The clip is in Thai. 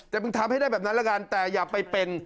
แต่มึงทำให้ได้แบบนั้นแล้วกันแต่อย่าไปเป็น